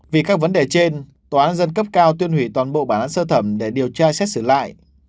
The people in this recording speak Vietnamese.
vì các vấn đề trên tòa án dân cấp cao tuyên hủy toàn bộ bản sơ thẩm để điều tra xét xử lại